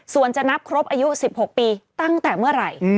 ส่วนจะนับครบอายุ๑๖ปีตั้งแต่เมื่อไหร่